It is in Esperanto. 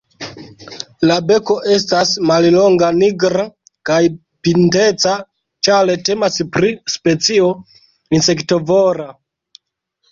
La beko estas mallonga, nigra kaj pinteca, ĉar temas pri specio insektovora.